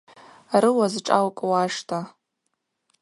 Рыуа зшӏа укӏуашда?